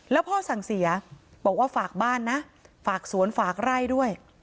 แล้วพ่อสั่งเสียบอกว่าฝากบ้านนะฝากสวนฝากไร่ด้วย